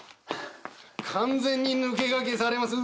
完全に抜け駆けされます。